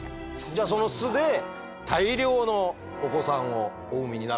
じゃあその巣で大量のお子さんをお産みになるってことですね？